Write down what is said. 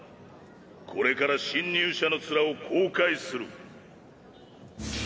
これから侵入者の面を公開する。